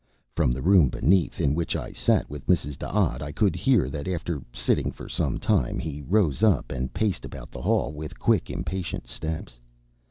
From the room beneath, in which I sat with Mrs. D'Odd, I could hear that after sitting for some time he rose up, and paced about the hall with quick impatient steps.